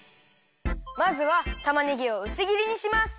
まずはたまねぎをうすぎりにします。